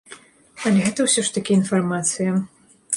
Але гэта ўсё ж такі інфармацыя.